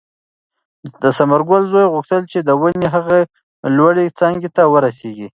د ثمرګل زوی غوښتل چې د ونې هغې لوړې څانګې ته ورسېږي.